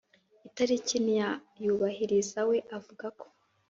itariki ntiyayubahiriza we avuga ko